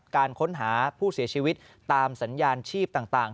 การค้นหาผู้เสียชีวิตตามสัญญาณชีพต่าง